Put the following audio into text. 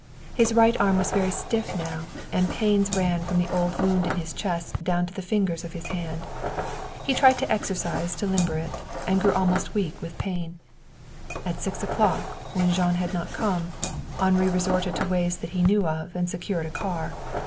His right arm was very stiff now, and pains ran from the old wound in his chest down to the fingers of his hand. He tried to exercise to limber it, and grew almost weak with pain. At six o'clock, when Jean had not come, Henri resorted to ways that he knew of and secured a car.